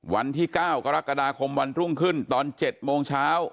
วันที่๙กรกฎาคมวันรุ่งขึ้นตอน๗โมงเช้า